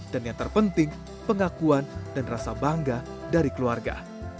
dan yang terpenting pengakuan dan rasa bangga dari keluarga